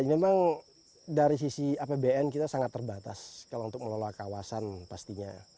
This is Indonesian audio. memang dari sisi apbn kita sangat terbatas kalau untuk meloloa kawasan pastinya